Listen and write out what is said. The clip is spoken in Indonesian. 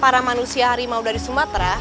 para manusia harimau dari sumatera